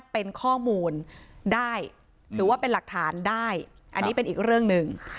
ถือว่าเป็นหลักฐานได้อันนี้เป็นอีกเรื่องหนึ่ง